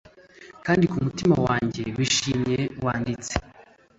kandi kumutima wanjye wishimye wanditse